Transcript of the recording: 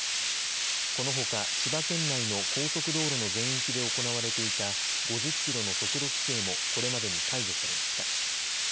このほか千葉県内の高速道路の全域で行われていた５０キロの速度規制もこれまでに解除されました。